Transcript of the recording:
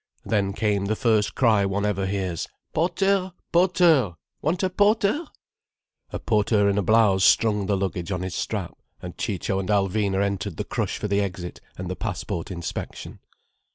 Then came the first cry one ever hears: "Porteur! Porteur! Want a porteur?" A porter in a blouse strung the luggage on his strap, and Ciccio and Alvina entered the crush for the exit and the passport inspection.